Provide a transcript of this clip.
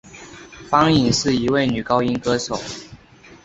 方颖是一位女高音歌手。